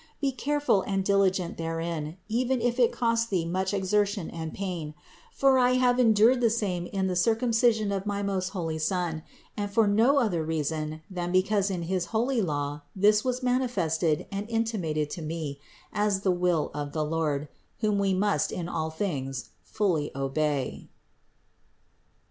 Be careful and diligent therein, even if it cost thee much exertion and pain; for I have endured the same in the Circumcision of my most holy Son, and for no other reason than because in his holy law this was manifested and intimated to me as the will of the Lord, whom we must in all things fully obey.